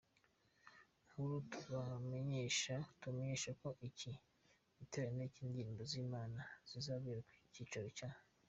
nkuru tubamenyeshako iki giterane cyindirimbo zImana kizabera ku cyicaro cya.